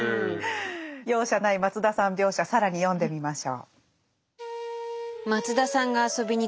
容赦ない松田さん描写更に読んでみましょう。